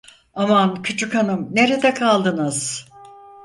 Aman, küçükhanım, nerede kaldınız?